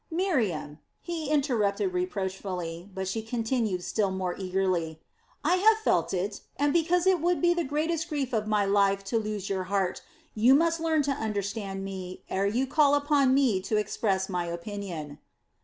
"Miriam," he interrupted reproachfully, but she continued still more eagerly: "I have felt it, and because it would be the greatest grief of my life to lose your heart, you must learn to understand me, ere you call upon me to express my opinion."